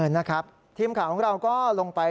นะครับที่ที่ข้าของเราก็ลงไป